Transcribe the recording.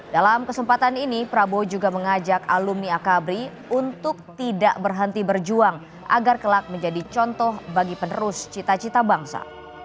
dalam kesempatan ini prabowo juga mengajak alumni akabri untuk tidak berhenti berjuang agar kelak menjadi contoh bagi penerus cita cita bangsa